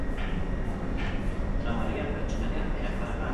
Trama argia pertsonaia erakargarriekin.